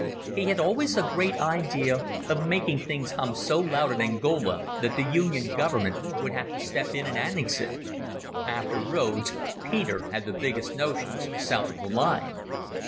He had always a great idea of making things hum so loud in Angola that the Union Government would have to step in and annex it. After Rhodes Peter had the biggest notions south of the Line.